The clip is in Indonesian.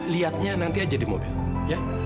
lihatnya nanti aja di mobil ya